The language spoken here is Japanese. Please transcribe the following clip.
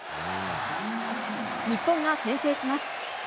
日本が先制します。